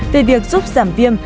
về việc giúp giảm viêm